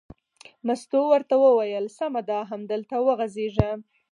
مستو ورته وویل: سمه ده همدلته وغځېږه.